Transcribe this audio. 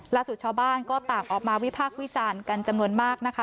ชาวบ้านก็ต่างออกมาวิพากษ์วิจารณ์กันจำนวนมากนะคะ